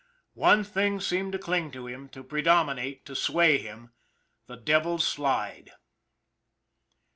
One thing seemed to cling to him, to predominate, to sway him the Devil's Slide.